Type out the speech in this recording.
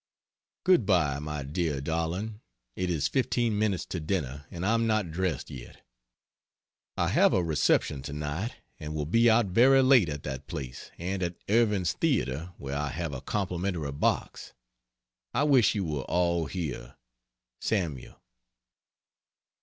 Good bye, my dear darling, it is 15 minutes to dinner and I'm not dressed yet. I have a reception to night and will be out very late at that place and at Irving's Theatre where I have a complimentary box. I wish you were all here. SAML.